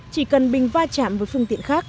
chỉ cần bình va chạm với phương tiện khác